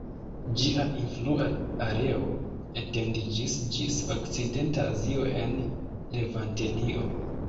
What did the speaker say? Ĝia influa areo etendiĝis ĝis Okcidenta Azio en Levantenio.